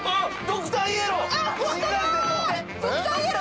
ドクターイエロー通った！